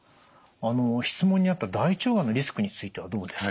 質問にあった大腸がんのリスクについてはどうですか？